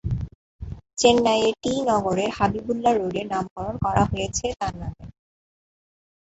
চেন্নাইয়ের টি নগরের হাবিবুল্লাহ রোডের নামকরণ করা হয়েছে তাঁর নামে।